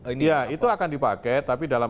ini apa ya itu akan dipakai tapi dalam